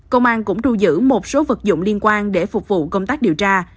công an cũng thu giữ một số vật dụng liên quan để phục vụ công tác điều tra